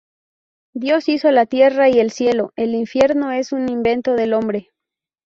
Dios hizo la tierra y el cielo, el infierno es un invento del hombre.